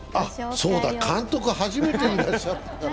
そうだ、監督、初めてだから。